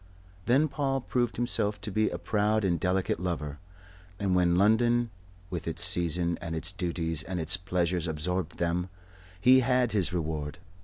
Then Paul proved himself to be a proud and delicate lover, and when London with its season and its duties and its pleasures absorbed them, he had his reward.